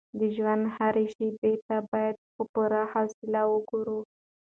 د ژوند هرې شېبې ته باید په پوره حوصله وګورو.